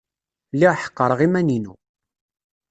Lliɣ ḥeqreɣ iman-inu.